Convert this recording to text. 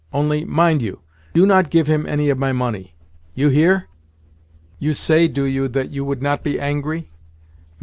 Only, mind you, do not give him any of my money. You hear?" "You say, do you, that you would not be angry?